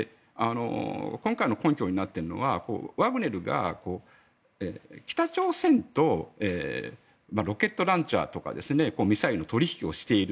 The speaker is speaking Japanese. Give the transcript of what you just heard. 今回の根拠になっているのはワグネルが北朝鮮とロケットランチャーとかミサイルの取引をしている。